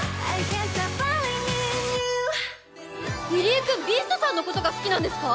入江君ビーストさんのことが好きなんですか？